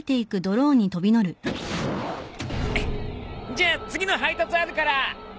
じゃあ次の配達あるから。